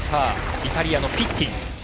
イタリアのピッティン。